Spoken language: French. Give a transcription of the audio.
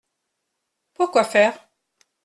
Pour quoi faire ?